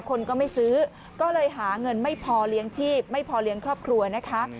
คนก็ไม่ซื้อก็เลยหาเงินไม่พอเลี้ยงชีพไม่พอเลี้ยงครอบครัวนะคะ